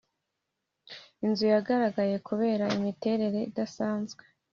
inzu yagaragaye kubera imiterere idasanzwe.